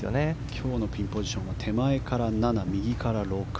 今日のピンポジションは手前から７、右から６。